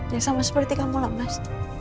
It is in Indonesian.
yang sama seperti kamu lah mas